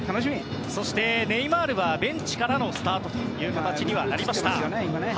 そして、ネイマールはベンチからのスタートという形にはなりました。